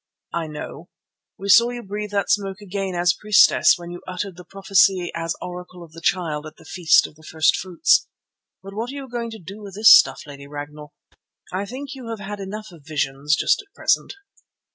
"I know. We saw you breathe that smoke again as priestess when you uttered the prophecy as Oracle of the Child at the Feast of the First fruits. But what are you going to do with this stuff, Lady Ragnall? I think you have had enough of visions just at present."